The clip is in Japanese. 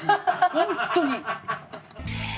本当に。